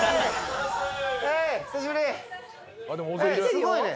すごいね。